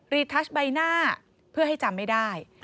ทัชใบหน้าเพื่อให้จำไม่ได้